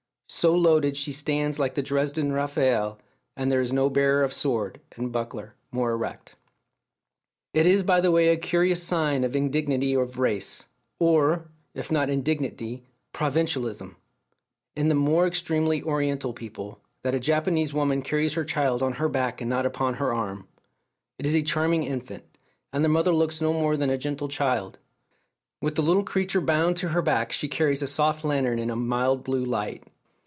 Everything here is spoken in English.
So loaded she stands like the Dresden Raphael, and there is no bearer of sword and buckler more erect. It is, by the way, a curious sign of indignity of race or, if not indignity, provincialism in the more extremely Oriental people, that a Japanese woman carries her child on her back and not upon her arm. It is a charming infant, and the mother looks no more than a gentle child; with the little creature bound to her back she carries a soft lantern in a mild blue night.